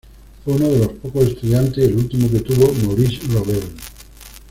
Fue uno de los pocos estudiantes y el último que tuvo Maurice Ravel.